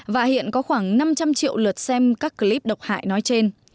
và hiện có khoảng năm trăm linh triệu lượt xem các clip độc hại nói trên